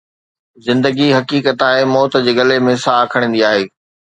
زندگي، حقيقت آهي، موت جي گلي ۾ ساهه کڻندي آهي.